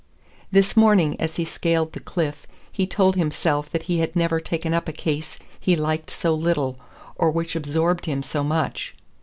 This morning as he scaled the cliff he told himself that he had never taken up a case he liked so little, or which absorbed him so much.